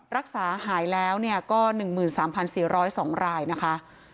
รักษาหายแล้วก็๑๓๔๐๒รายนะคะ